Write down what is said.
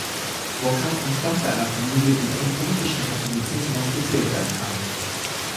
Burkart entstammte einer Familie, die zum politischen Katholizismus gezählt werden kann.